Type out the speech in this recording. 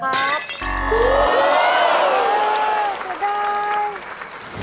โชคดี